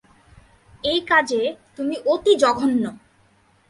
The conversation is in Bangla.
এই কাজে তুমি অতি জঘন্য!